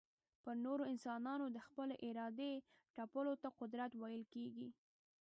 پر نورو انسانانو د خپلي ارادې تپلو ته قدرت ويل کېږي.